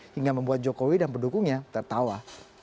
hingga membuat jokowi dan pendukungnya tertawa